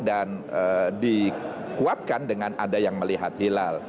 dan dikuatkan dengan ada yang melihat hilal